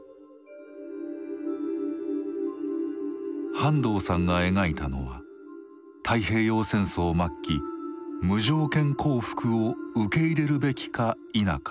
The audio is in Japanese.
半藤さんが描いたのは太平洋戦争末期無条件降伏を受け入れるべきか否か。